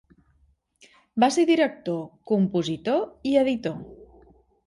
Va ser director, compositor i editor.